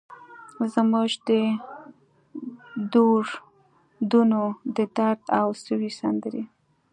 زموږ د دور دونو ، ددرد او سوي سندرې